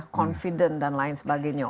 confident dan lain sebagainya